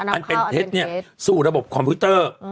อันเป็นเท็จสู่ระบบคอมพิวเตอร์